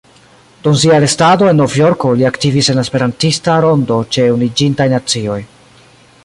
Dum sia restado en Novjorko li aktivis en la Esperantista rondo ĉe Unuiĝintaj Nacioj.